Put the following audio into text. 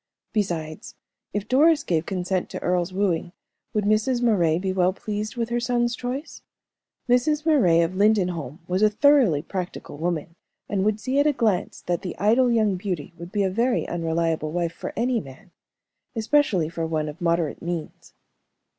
Besides, if Doris gave consent to Earle's wooing, would Mrs. Moray be well pleased with her son's choice? Mrs. Moray of Lindenholm was a thoroughly practical woman, and would see at a glance that the idle young beauty would be a very unreliable wife for any man, especially for one of moderate means.